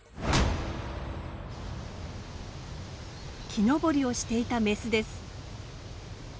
木登りをしていたメスです。